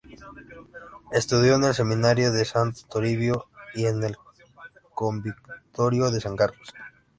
Estudió en el Seminario de Santo Toribio y en el Convictorio de San Carlos.